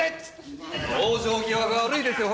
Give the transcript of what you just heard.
往生際が悪いですよ。